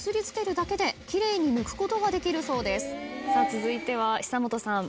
続いては久本さん。